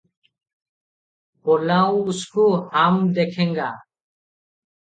ବୋଲାଓ ଉସ୍କୁ, ham ଦେଖେଙ୍ଗା ।"